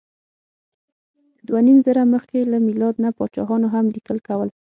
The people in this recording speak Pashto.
د دوهنیمزره مخکې له میلاد نه پاچاهانو هم لیکل کول.